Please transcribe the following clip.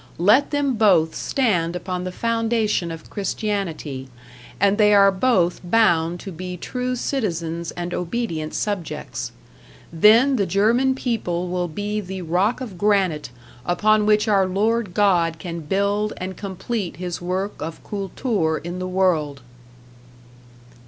Let them both stand upon the foundation of Christianity, and they are both bound to be true citizens and obedient subjects. Then the German people will be the rock of granite upon which our Lord God can build and complete his work of Kultur in the world.